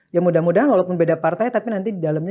ya mudah mudahan walaupun beda partai tapi nanti di dalamnya